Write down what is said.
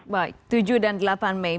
baik tujuh dan delapan mei